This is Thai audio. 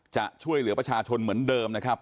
จะช่วยเหลือประชาชนเหมือนเดิมนะครับ